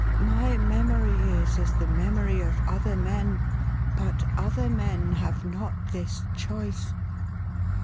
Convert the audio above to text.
My memory is as the memory of other men, but other men have not this choice.